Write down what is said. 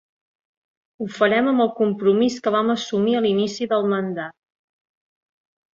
Ho farem amb el compromís que vam assumir a l’inici del mandat.